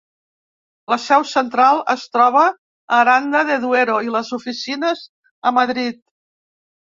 La seu central es troba a Aranda de Duero i les oficines a Madrid.